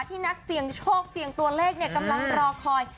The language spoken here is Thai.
ที่นักเสียงโชคเสียงตัวเลขกำลังรอคอย